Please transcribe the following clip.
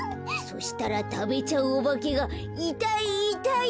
そしたらたべちゃうおばけが「いたいいたい！」